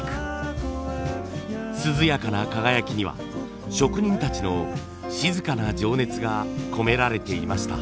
涼やかな輝きには職人たちの静かな情熱が込められていました。